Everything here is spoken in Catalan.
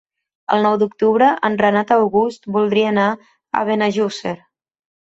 El nou d'octubre en Renat August voldria anar a Benejússer.